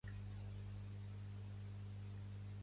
La capital és Trnava.